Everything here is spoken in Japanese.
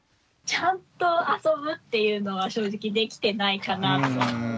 ちゃんと遊ぶっていうのは正直できてないかなと思いますね。